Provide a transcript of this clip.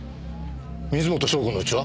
水元湘子の家は？